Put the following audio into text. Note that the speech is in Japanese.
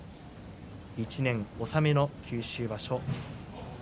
１年納めの九州場所。